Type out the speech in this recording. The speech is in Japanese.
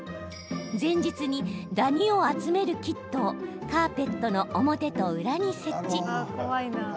前日に、ダニを集めるキットをカーペットの表と裏に設置。